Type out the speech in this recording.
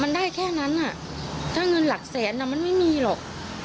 มันได้แค่นั้นถ้าเงินหลักแสนมันไม่มีหรอก